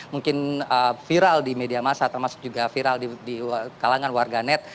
mungkin viral di media masa termasuk juga viral di kalangan warganet